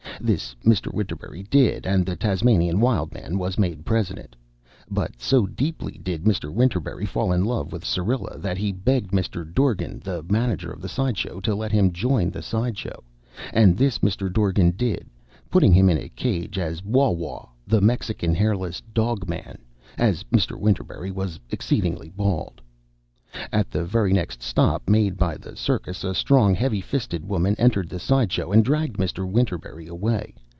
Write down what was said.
This Mr. Winterberry did and the Tasmanian Wild Man was made President, but so deeply did Mr. Winterberry fall in love with Syrilla that he begged Mr. Dorgan, the manager of the side show, to let him join the side show, and this Mr. Dorgan did, putting him in a cage as Waw Waw, the Mexican Hairless Dog Man, as Mr. Winterberry was exceedingly bald. At the very next stop made by the circus a strong, heavy fisted woman entered the side show and dragged Mr. Winterberry away.